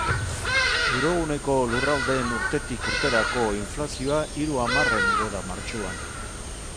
Euroguneko lurraldeen urtetik urterako inflazioa hiru hamarren igo da martxoan.